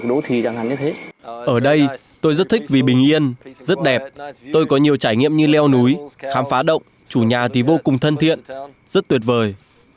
ở đây tôi rất thích vì bình yên rất đẹp tôi có nhiều trải nghiệm như leo núi khám phá động chủ nhà thì vô cùng thân thiện rất tuyệt vời